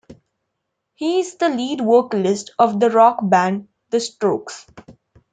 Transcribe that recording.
He is the lead vocalist of the rock band The Strokes.